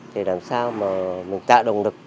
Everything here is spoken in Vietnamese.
thì làm sao mà mình tạo động lực